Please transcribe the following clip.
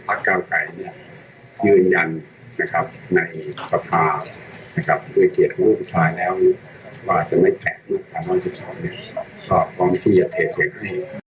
ว่าจะไม่แกะตรา๑๑๒เนี่ยต้องที่จะเทเทคให้